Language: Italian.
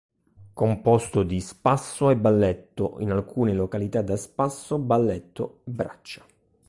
Composto di spasso e balletto, in alcune località da spasso, balletto e braccia.